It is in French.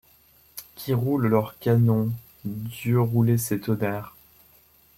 Qui roulent leurs canons, Dieu rouler ses tonnerres !